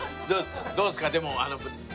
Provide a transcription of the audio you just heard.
どうですか？